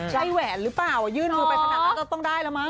ใช้แหวนหรือเปล่ายื่นมือไปสนับต้องได้ละมั้ง